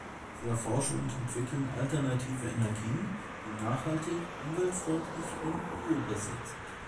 Sie erforschen und entwickeln alternative Energien, die nachhaltig, umweltfreundlich und biobasiert sind.